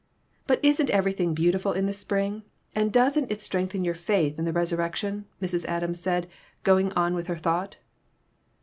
"But isn't everything beautiful in the spring, and doesn't it strengthen your faith in the res urrection ?" Mrs. Adams said, going on with her thought.